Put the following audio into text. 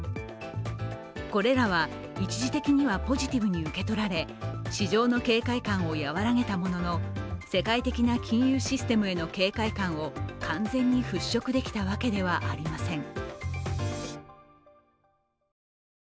これらは一時的にはポジティブに受け取られ市場の警戒感を和らげたものの世界的な金融システムへの警戒感を完全に払拭できたわけではありません。